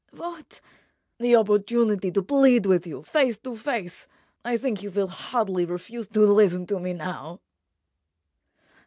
"What—?" "The opportunity to plead with you, face to face. I think you will hardly refuse to listen to me now."